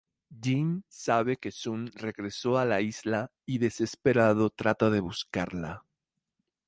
Jin sabe que Sun regresó a la isla y desesperado trata de buscarla.